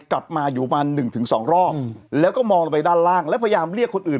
กลับมาอยู่ประมาณหนึ่งถึงสองรอบแล้วก็มองลงไปด้านล่างแล้วพยายามเรียกคนอื่น